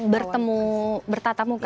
bertemu bertata muka